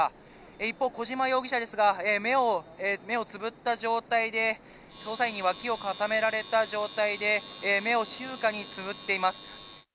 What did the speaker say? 一方、小島容疑者ですが、目をつぶった状態で、捜査員に脇を固められた状態で目を静かにつぶっています。